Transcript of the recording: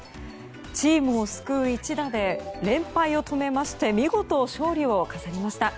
チームを救う一打で連敗を止めまして見事、勝利を飾りました。